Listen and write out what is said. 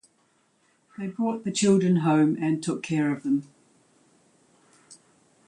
They brought the children home and took care of them.